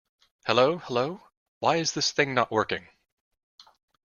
Hello hello. Why is this thing not working?